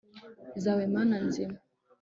zawe mana nzima